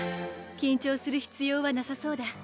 緊張する必要はなさそうだうん！